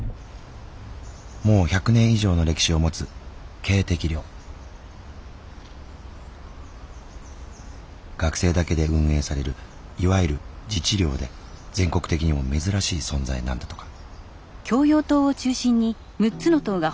もう１００年以上の歴史を持つ学生だけで運営されるいわゆる自治寮で全国的にも珍しい存在なんだとか。